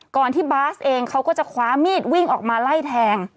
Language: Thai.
ก่อนที่บาสเองเขาก็จะคว้ามีดวิ่งออกมาไล่แทง